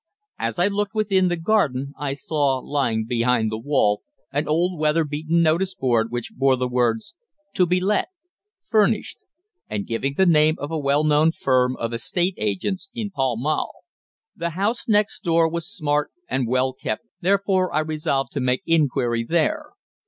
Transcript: As I looked within the garden I saw lying behind the wall an old weather beaten notice board which bore the words "To be let, Furnished," and giving the name of a well known firm of estate agents in Pall Mall. The house next door was smart and well kept, therefore I resolved to make inquiry there.